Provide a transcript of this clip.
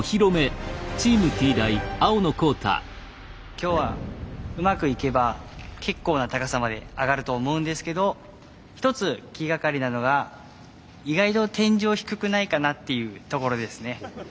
今日はうまくいけば結構な高さまで上がると思うんですけど一つ気がかりなのが意外と天井低くないかなっていうところですね。